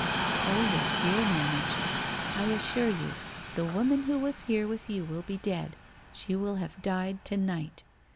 Oh, yes, you'll manage. I assure you, the woman who was here with you will be dead, she will have died to night